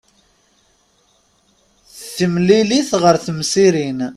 Timmlilit ɣer temsirin.